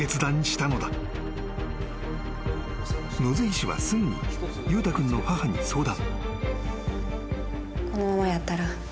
［野津医師はすぐに裕太君の母に相談］